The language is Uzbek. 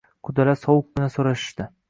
Qudalar sovuqqina so`rashishdi